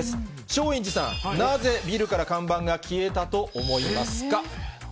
松陰寺さん、なぜ、ビルから看板が消えたと思いますか。